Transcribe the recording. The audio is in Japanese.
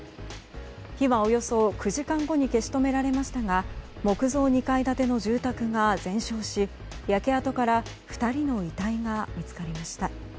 火はおよそ９時間後に消し止められましたが木造２階建ての住宅が全焼し焼け跡から２人の遺体が見つかりました。